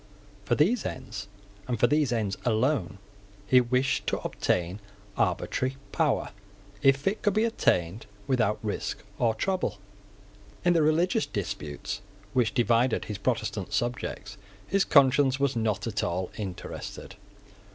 For these ends, and for these ends alone, he wished to obtain arbitrary power, if it could be obtained without risk or trouble. In the religious disputes which divided his Protestant subjects his conscience was not at all interested.